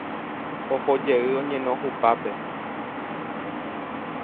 Ohojey oñeno hupápe.